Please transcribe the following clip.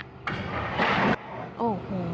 โอ้โห